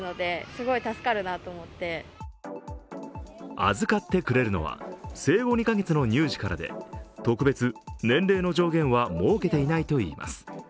預かってくれるのは生後２カ月からの乳児からで特別、年齢の上限は設けていないといいます。